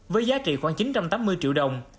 với giá trị khoảng chín trăm tám mươi triệu đồng